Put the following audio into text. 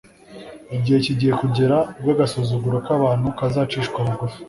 Igihe kigiye kugera ubwo agasuzuguro kabantu kazacishwa bugufi